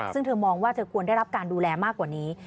ซึ่งเธอมองว่าเธอควรได้รับการดูแลมากกว่านี้